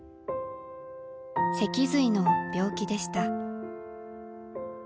脊髄の病気でした。